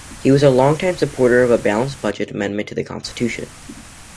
He was a longtime supporter of a balanced budget amendment to the Constitution.